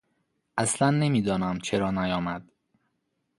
اصلا نمیدانم چرا نیامد.